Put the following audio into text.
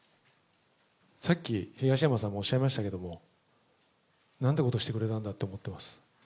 さっき、東山さんもおっしゃいましたけど、なんてことしてくれたんだと思っています。